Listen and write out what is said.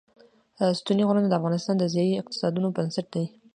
ستوني غرونه د افغانستان د ځایي اقتصادونو بنسټ دی.